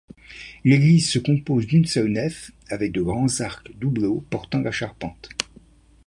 L'église se compose d'une seule nef avec de grands arcs doubleaux portant la charpente.